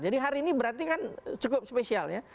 jadi har ini berarti kan cukup spesial ya